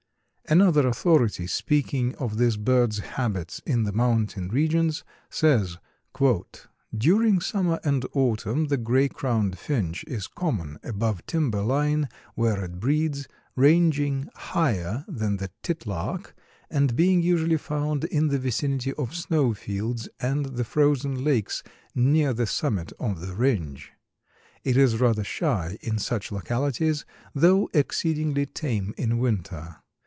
Another authority, speaking of this bird's habits in the mountain regions, says, "During summer and autumn the Gray crowned Finch is common above timber line, where it breeds, ranging higher than the titlark and being usually found in the vicinity of snow fields and the frozen lakes near the summit of the range. It is rather shy in such localities, though exceedingly tame in winter.